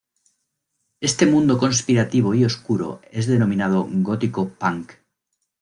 Este mundo conspirativo y oscuro es denominado "Gótico-Punk".